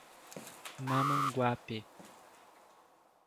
Mamanguape